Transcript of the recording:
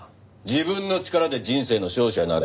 自分の力で人生の勝者になれ。